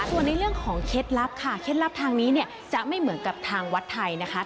ส่วนในเรื่องของเคล็ดลับค่ะเคล็ดลับทางนี้เนี่ยจะไม่เหมือนกับทางวัดไทยนะคะ